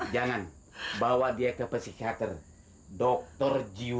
jangan bawa dia ke pesikiater dokter jiwe